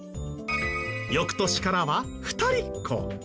翌年からは二人っ子。